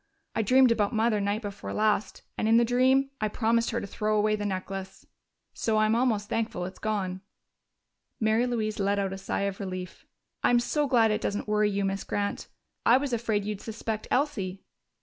I dreamed about Mother night before last, and in the dream I promised her to throw away the necklace.... So I'm almost thankful it's gone." Mary Louise let out a sigh of relief. "I'm so glad it doesn't worry you, Miss Grant. I was afraid you'd suspect Elsie."